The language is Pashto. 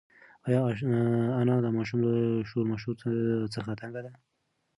ایا انا د ماشوم له شور ماشور څخه تنگه ده؟